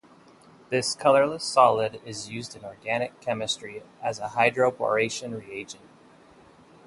This colourless solid is used in organic chemistry as a hydroboration reagent.